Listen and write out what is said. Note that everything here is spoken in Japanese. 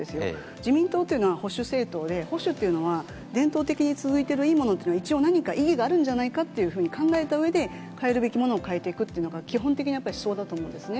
自民党というのは保守政党で、保守っていうのは、伝統的に続いているいいものっていうのは、一応何か意義があるんじゃないかというふうに考えたうえで、変えるべきものは変えていくというのが、基本的な思想だと思うんですね。